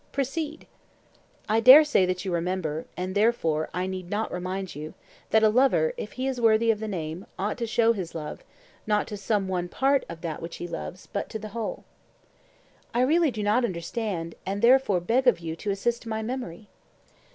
Proceed. I dare say that you remember, and therefore I need not remind you, that a lover, if he is worthy of the name, ought to show his love, not to some one part of that which he loves, but to the whole. I really do not understand, and therefore beg of you to assist my memory.